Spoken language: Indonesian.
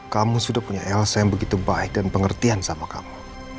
kamu sudah punya elsa yang begitu baik dan pengertian sama kamu